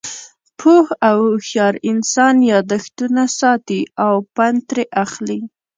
پوه او هوشیار انسان، یاداښتونه ساتي او پند ترې اخلي.